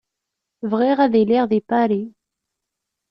Bɣiɣ ad iliɣ deg Paris.